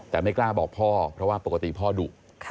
แต่ไม่กล้าบอกพ่อเพราะว่าปกติพ่อดุ